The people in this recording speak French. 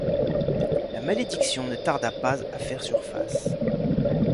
La malédiction ne tarda pas à faire surface.